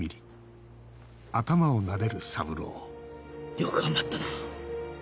よく頑張ったな。